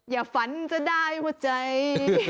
อย่าฝันจะได้ว่าใจ